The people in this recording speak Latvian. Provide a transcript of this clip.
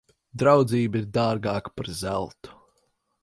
Draudzība ir dārgāka par zeltu.